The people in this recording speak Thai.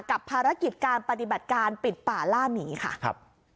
กับภารกิจการปฏิบัติการปิดป่าล่าหมีค่ะครับ